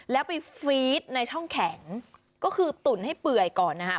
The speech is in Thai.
แล้วไปฟรีดในช่องแข็งก็คือตุ๋นให้เปื่อยก่อนนะครับ